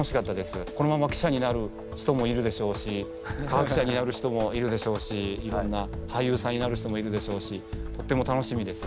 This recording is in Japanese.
このまま記者になる人もいるでしょうし科学者になる人もいるでしょうし俳優さんになる人もいるでしょうしとっても楽しみです。